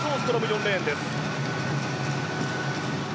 ４レーンです。